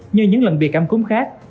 như những lần bị cảm cúng khác